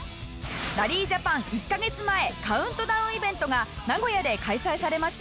ラリージャパン１カ月前カウントダウンイベントが名古屋で開催されました。